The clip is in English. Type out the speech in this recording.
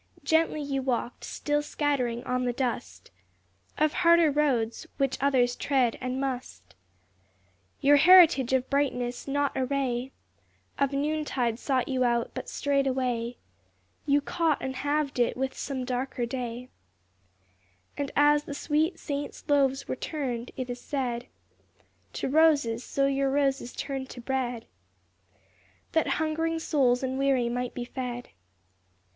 Gently you walked, still scattering on the dust Of harder roads, which others tread, and must, Your heritage of brightness, not a ray Of noontide sought you out, but straight away You caught and halved it with some darker day: And as the sweet saint's loaves were turned, it is said, To roses, so your roses turned to bread, That hungering souls and weary might be fed.